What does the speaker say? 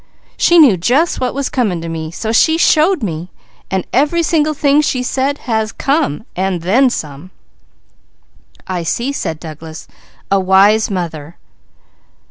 She knew just what was coming to me, so She showed me, and every single thing She said has come, and then some!" "I see!" said Douglas. "A wise mother!"